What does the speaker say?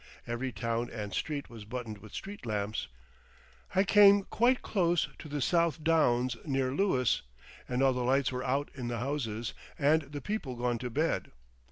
Every town and street was buttoned with street lamps. I came quite close to the South Downs near Lewes, and all the lights were out in the houses, and the people gone to bed.